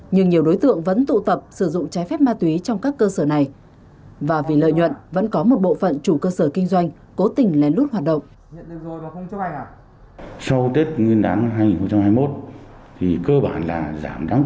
nhưng nhiều đối tượng vẫn tụ tập sử dụng trái phép ma túy trong các cơ sở này và vì lợi nhuận vẫn có một bộ phận chủ cơ sở kinh doanh cố tình lén lút hoạt động